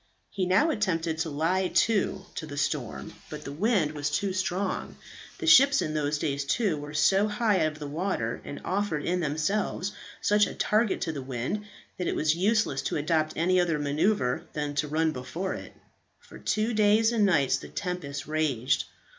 He now attempted to lie to to the storm, but the wind was too strong. The ships in those days too, were so high out of the water, and offered in themselves such a target to the wind, that it was useless to adopt any other maneuver than to run before it. For two days and nights the tempest raged.